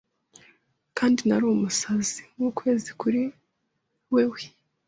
Kandi nari umusazi nk'ukwezi kuri wewe